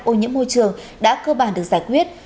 ô nhiễm môi trường đã cơ bản được giải quyết